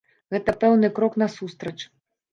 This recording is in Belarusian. Гэта пэўны крок насустрач.